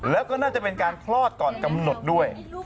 แล้วก็น่าจะเป็นการคลอดก่อนกำหนดด้วย